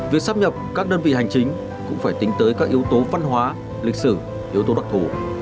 việc sắp nhập các đơn vị hành chính cũng phải tính tới các yếu tố văn hóa lịch sử yếu tố đặc thủ